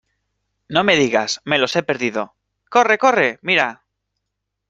no me digas, me los he perdido. ¡ corre , corre! mira .